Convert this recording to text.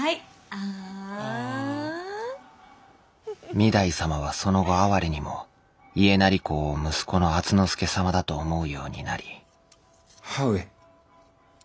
御台様はその後あわれにも家斉公を息子の敦之助様だと思うようになり母上。